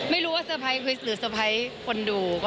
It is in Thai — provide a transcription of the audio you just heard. ไม่รู้ว่าเตอร์ไพรส์คริสต์หรือเตอร์ไพรส์คนดู